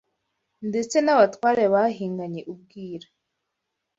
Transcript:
ndetse n’abatware bahinganye ubwira